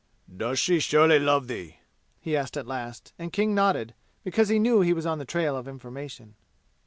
"Does she surely love thee?" he asked at last, and King nodded, because he knew he was on the trail of information.